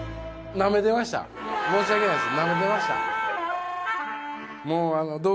申し訳ないです。